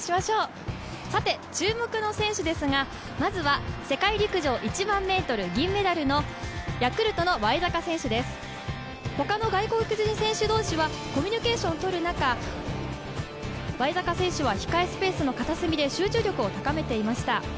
注目の選手ですが、まずは世界陸上１００００ｍ銀メダルのヤクルトのワイザカ選手です、ほかの外国人選手同士はコミュニケーションをとる中、ワイザカ選手は控えスペースの片隅で集中力を高めていました。